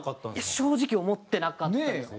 正直思ってなかったです。